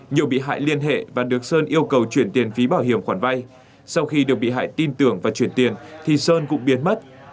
nhiều bị hại liên hệ và được sơn yêu cầu chuyển tiền phí bảo hiểm khoản vay sau khi được bị hại tin tưởng và chuyển tiền thì sơn cũng biến mất